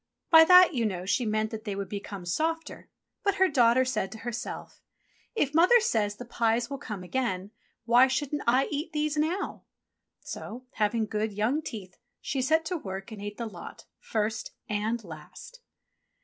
By that, you know, she meant that they would become softer; but her daughter said to herself, "If Mother says the pies will come again, why shouldn't I eat these now.?" So, having good, young teeth, she set to work and ate the lot, first and last.